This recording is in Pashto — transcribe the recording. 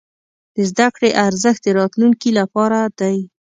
د زده کړې ارزښت د راتلونکي لپاره دی.